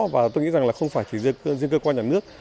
và tôi nghĩ rằng là không phải chỉ riêng cơ quan nhà nước